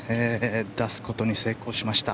出すことに成功しました。